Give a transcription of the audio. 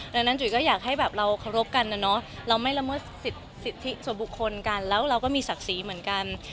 ดังนั้นจุ๋ยก็อยากให้แบบเราเคารพกันนะเนาะเราไม่ละเมิดสิทธิส่วนบุคคลกันแล้วเราก็มีศักดิ์ศรีเหมือนกัน